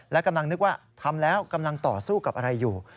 และกำลังนึกว่าทำแล้วกำลังต่อสู้กับอะไรอยู่